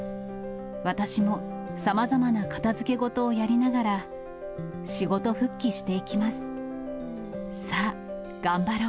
私もさまざまな片づけ事をやりながら、仕事復帰していきます。